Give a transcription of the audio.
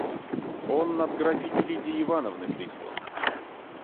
Он от графини Лидии Ивановны прислан.